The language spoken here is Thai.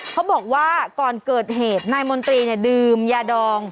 เขาบอกว่าก่อนเกิดเหตุนายมนตรีเนี่ยดื่มยาดอง